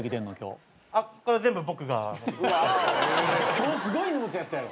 今日すごい荷物やったやろ？